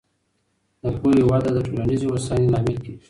د پوهې وده د ټولنیزې هوساینې لامل کېږي.